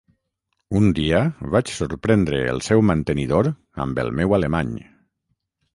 Un dia vaig sorprendre el seu mantenidor amb el meu alemany.